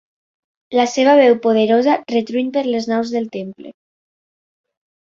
La seva veu poderosa retruny per les naus del temple.